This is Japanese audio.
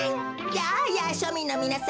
やあやあしょみんのみなさん。